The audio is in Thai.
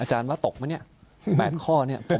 อาจารย์ว่าตกม๊ะเนี่ย